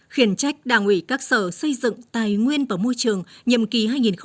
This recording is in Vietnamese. khiển trách đảng ủy các sở xây dựng tài nguyên và môi trường nhiệm kỳ hai nghìn một mươi năm hai nghìn hai mươi